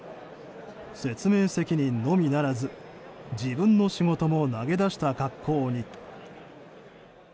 説明責任のみならず自分の仕事も投げ出した格好に。